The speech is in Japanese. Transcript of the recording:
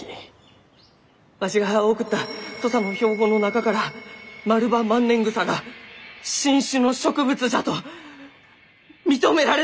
わしが送った土佐の標本の中からマルバマンネングサが新種の植物じゃと認められたがじゃき！